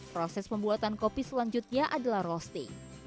proses pembuatan kopi selanjutnya adalah roasting